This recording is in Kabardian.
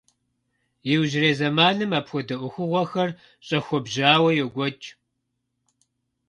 Иужьрей зэманым апхуэдэ ӏуэхугъуэхэр щӏэхуэбжьауэ йокӏуэкӏ.